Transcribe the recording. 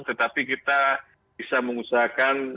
tetapi kita bisa mengusahakan